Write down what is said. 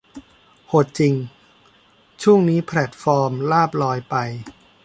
โหดจริง ช่วงนี้แพลตฟอร์มลาภลอยไป